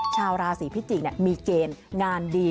ชาวราศีพิจิกมีเกณฑ์งานดี